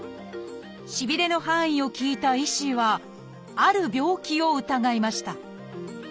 しびれの範囲を聞いた医師はある病気を疑いました。